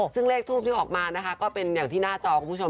ซึ่งเลขทูปที่ออกมานะคะก็เป็นอย่างที่หน้าจอคุณผู้ชม